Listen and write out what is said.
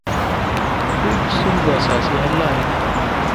دوی د ستونزو اساسي حل لارې نه مومي